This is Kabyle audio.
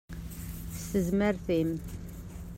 S tezmert-im!